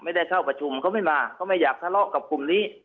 ไม่ได้เข้าประชุมเขาไม่มาเขาไม่อยากทะเลาะกับกลุ่มนี้